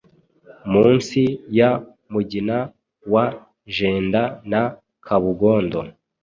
munsi ya Mugina wa Jenda na Kabugondo.